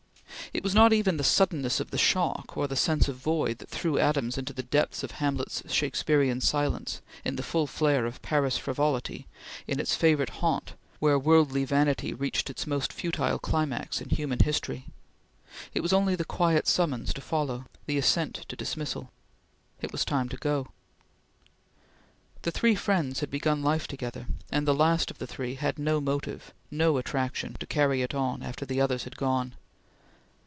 It was not even the suddenness of the shock, or the sense of void, that threw Adams into the depths of Hamlet's Shakespearean silence in the full flare of Paris frivolity in its favorite haunt where worldly vanity reached its most futile climax in human history; it was only the quiet summons to follow the assent to dismissal. It was time to go. The three friends had begun life together; and the last of the three had no motive no attraction to carry it on after the others had gone.